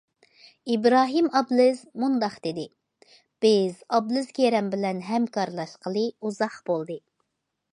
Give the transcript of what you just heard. ئىبراھىم ئابلىز مۇنداق دېدى: بىز ئابلىز كېرەم بىلەن ھەمكارلاشقىلى ئۇزاق بولدى.